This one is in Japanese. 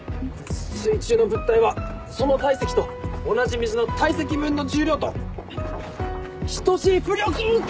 水中の物体はその体積と同じ水の体積分の重量と等しい浮力を受け。